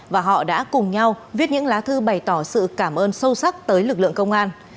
và họ đã cùng nhau viết những lá thư bày tỏ sự cảm ơn sâu sắc tới lực lượng công an